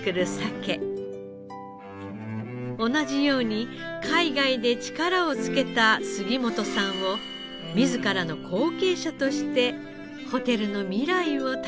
同じように海外で力をつけた杉本さんを自らの後継者としてホテルの未来を託したのです。